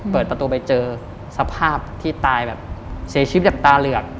เปิดประตูไปเจอสภาพที่ตายแบบเสียชีวิตแบบตาเหลือก